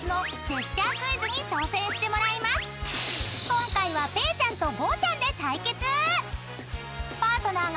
［今回はぺーちゃんとごうちゃんで対決！］